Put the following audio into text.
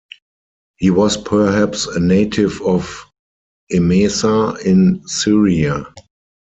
He was perhaps a native of Emesa in Syria.